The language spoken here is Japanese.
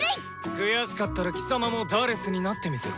悔しかったら貴様も「４」になってみせろ。